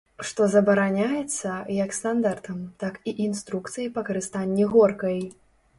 Што забараняецца, як стандартам, так і інструкцыяй па карыстанні горкай.